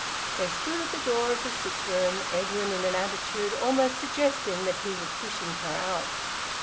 They stood at the door of the sick room, Edwin in an attitude almost suggesting that he was pushing her out.